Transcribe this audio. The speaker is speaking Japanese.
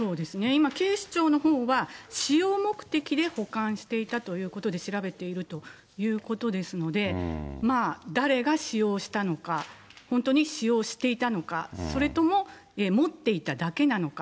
今、警視庁のほうは使用目的で保管していたということで調べているということですので、誰が使用したのか、本当に使用していたのか、それとも持っていただけなのか。